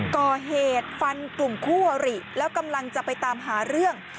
ก่อเหตุฟันกลุ่มคู่อริแล้วกำลังจะไปตามหาเรื่อง